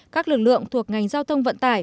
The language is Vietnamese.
các lực lượng thuộc ngành giao thông vận tải